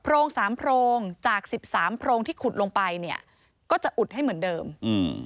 โรงสามโพรงจากสิบสามโพรงที่ขุดลงไปเนี้ยก็จะอุดให้เหมือนเดิมอืม